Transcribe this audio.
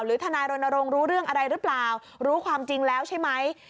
ทนายรณรงค์รู้เรื่องอะไรหรือเปล่ารู้ความจริงแล้วใช่ไหม